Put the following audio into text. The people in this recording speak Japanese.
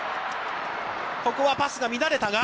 ここはパスが乱れたが。